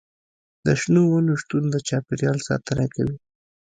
د شنو ونو شتون د چاپیریال ساتنه کوي.